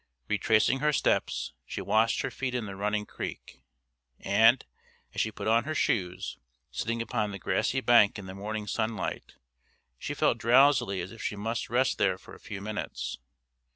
Retracing her steps, she washed her feet in the running creek, and, as she put on her shoes, sitting upon the grassy bank in the morning sunlight, she felt drowsily as if she must rest there for a few minutes.